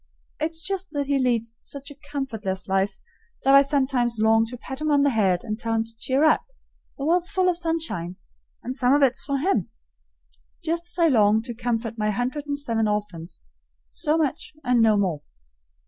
It's just that he leads such a comfortless life that I sometimes long to pat him on the head and tell him to cheer up; the world's full of sunshine, and some of it's for him just as I long to comfort my hundred and seven orphans; so much and no more.